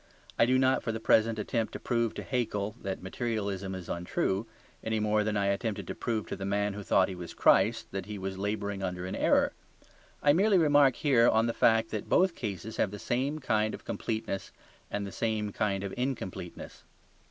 I do not for the present attempt to prove to Haeckel that materialism is untrue, any more than I attempted to prove to the man who thought he was Christ that he was labouring under an error. I merely remark here on the fact that both cases have the same kind of completeness and the same kind of incompleteness.